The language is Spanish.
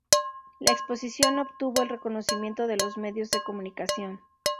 La exposición obtuvo el reconocimiento de los medios de comunicación.